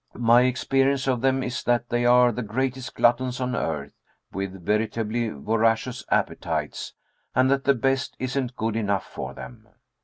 My experience of them is that they are the greatest gluttons on earth, with veritably voracious appetites, and that the best isn't good enough for them.